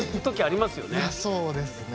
いやそうですね。